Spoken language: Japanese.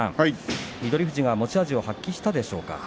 富士が持ち味を発揮したでしょうか。